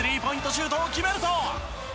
シュートを決めると。